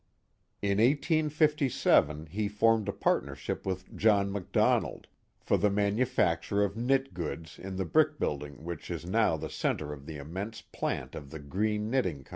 In 1857 ^^ formed a partnership with John McDonald, for the manufacture of knit goods in the brick building which is now the centre of the immense plant of the Greene Knitting Co.